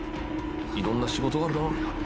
「色んな仕事があるな」